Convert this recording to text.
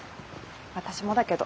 私もだけど。